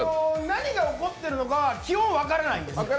何をやっているのか基本、分からないんですよ。